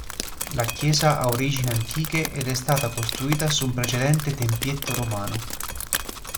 La chiesa ha origini antiche ed è stata costruita su un precedente tempietto romano.